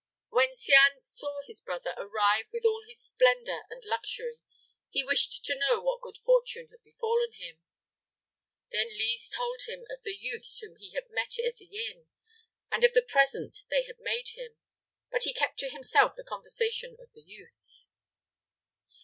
When Cianne saw his brother arrive with all his splendor and luxury, he wished to know what good fortune had befallen him. Then Lise told him of the youths whom he had met at the inn, and of the present they had made him, but he kept to himself the conversation of the youths.